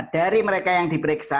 dari mereka yang diperiksa